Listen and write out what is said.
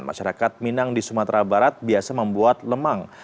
masyarakat minang di sumatera barat biasa membuat lemang